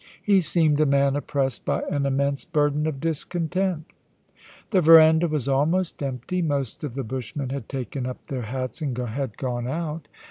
He seemed a man oppressed by an immense burden of discontent The verandah was almost empty. Most of the bushmen had taken up their hats and had gone out.